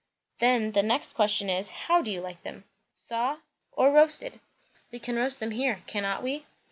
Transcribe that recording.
"Then the next question is, how do you like them? Saw? or roasted? We can roast them here, cannot we?"